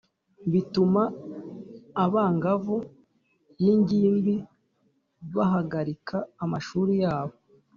Bituma abangavu n’ingimbi bahagarika amashuri yabo